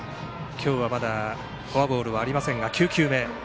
今日はまだフォアボールはありません。